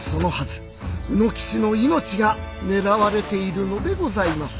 卯之吉の命がねらわれているのでございます。